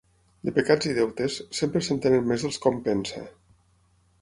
De pecats i deutes, sempre se'n tenen més dels que hom pensa.